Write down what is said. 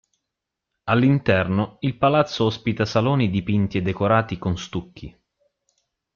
All'interno, il palazzo ospita saloni dipinti e decorati con stucchi.